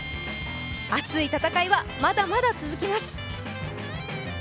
熱い戦いはまだまだ続きます。